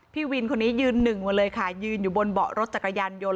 พี่วินคนนี้ยืนหนึ่งมาเลยค่ะยืนอยู่บนเบาะรถจักรยานยนต